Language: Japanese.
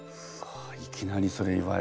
いきなりそれ言われたんだ。